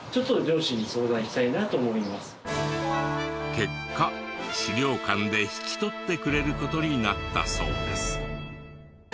結果資料館で引き取ってくれる事になったそうです。